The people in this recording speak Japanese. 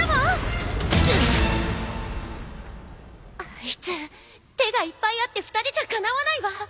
あいつ手がいっぱいあって２人じゃかなわないわ。